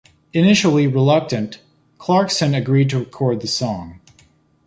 Initially reluctant, Clarkson agreed to record the song.